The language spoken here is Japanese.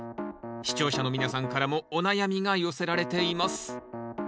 視聴者の皆さんからもお悩みが寄せられています